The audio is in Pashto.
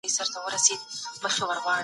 استاد وویل چي هر کار ته وخت ورکړئ.